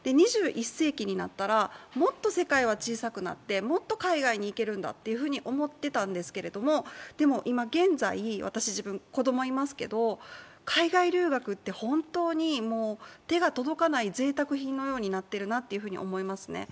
２１世紀になったらもっと世界は小さくなってもっと海外に行けるんだと思っていたんですけれども、でも今現在、私、子供いますけれども、海外留学って本当に手が届かないぜいたく品になっているなと思いますね。